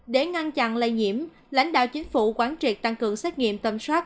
để ngăn chặn lây nhiễm lãnh đạo chính phủ quán triệt tăng cường xét nghiệm tầm soát